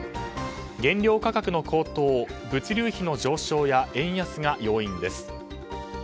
原料価格の高騰、物流費の上昇や円安が要因です。